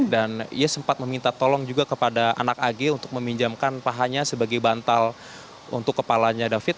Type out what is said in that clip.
dan ia sempat meminta tolong juga kepada anak agnes untuk meminjamkan pahanya sebagai bantal untuk kepalanya david